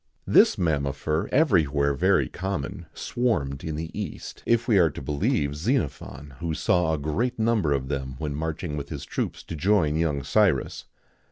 [XIX 89] This mammifer, everywhere very common, swarmed in the East, if we are to believe Xenophon, who saw a great number of them when marching with his troops to join young Cyrus.